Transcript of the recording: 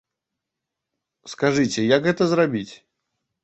Скажыце, як гэта зрабіць?